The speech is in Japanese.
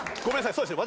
そうですね。